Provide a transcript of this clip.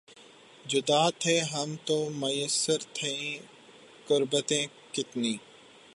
جدا تھے ہم تو میسر تھیں قربتیں کتنی